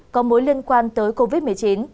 có mối liên quan tới covid một mươi chín